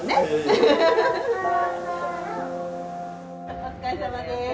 お疲れさまです。